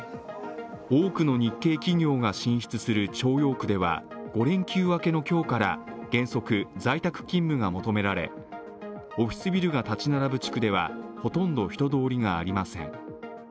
多くの日系企業が進出する朝陽区では５連休明けの今日から原則、在宅勤務が求められオフィスビルが立ち並ぶ地区ではほとんど人通りがありません。